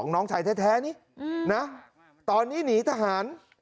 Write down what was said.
น้องชายแท้นี่นะตอนนี้หนีทหาร